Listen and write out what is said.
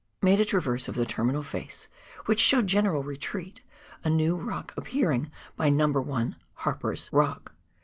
Made a traverse of the terminal face, which showed general retreat, a new rock appearing by No. 1 (Harper's) Rock.